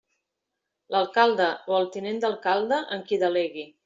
L'Alcalde o el Tinent d'Alcalde en qui delegui.